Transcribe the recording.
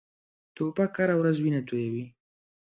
توپک هره ورځ وینه تویوي.